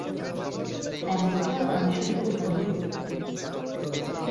এমনটা আমি শুধু ওখানেই করতে পারি।